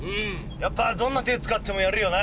やっぱどんな手使ってもやるよな。